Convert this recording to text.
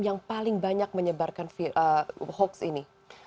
yang paling banyak menyebarkan hoax ini